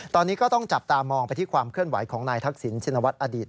ตอนนี้ก็ต้องจับตามองไปที่ความเคลื่อนไหวของนายทักษิณชินวัฒนอดีต